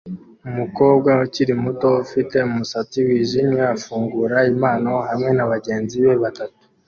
Umukobwa ukiri muto ufite umusatsi wijimye afungura impano hamwe nabagenzi be batatu